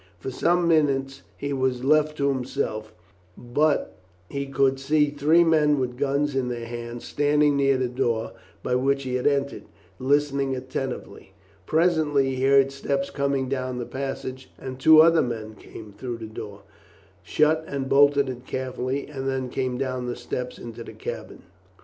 For some minutes he was left to himself, but he could see three men with guns in their hands standing near the door by which he had entered, listening attentively. Presently he heard steps coming down the passage and two other men came through the door, shut and bolted it carefully, and then came down the steps into the cabin.